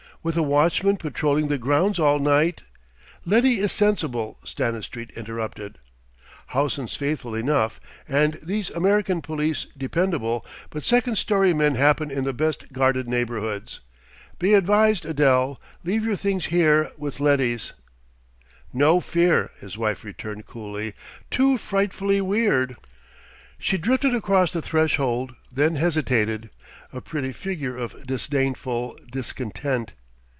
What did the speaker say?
"With a watchman patrolling the grounds all night " "Letty is sensible," Stanistreet interrupted. "Howson's faithful enough, and these American police dependable, but second storey men happen in the best guarded neighbourhoods. Be advised, Adele: leave your things here with Letty's." "No fear," his wife returned coolly. "Too frightfully weird...." She drifted across the threshold, then hesitated, a pretty figure of disdainful discontent.